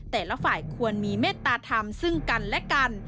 แต่ละฝ่ายควรมีเมตตาธรรมซึ่งกันและกัน